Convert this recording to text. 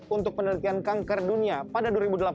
untuk penelitian kanker dunia pada dua ribu delapan belas